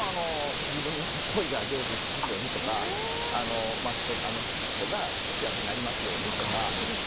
自分の恋が成就しますようにとかあの人が幸せになりますようにとか。